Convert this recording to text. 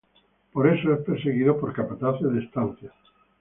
Por eso es perseguido por capataces de estancias.